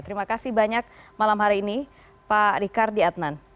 terima kasih banyak malam hari ini pak rikardi adnan